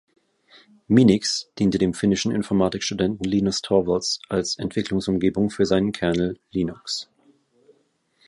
Minix diente dem finnischen Informatik-Studenten Linus Torvalds als Entwicklungsumgebung für seinen Kernel Linux.